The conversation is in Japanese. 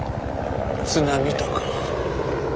津波とか。